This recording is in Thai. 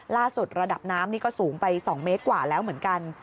ระดับน้ำนี่ก็สูงไป๒เมตรกว่าแล้วเหมือนกัน